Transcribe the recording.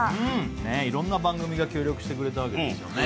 いろんな番組が協力してくれたわけですよね。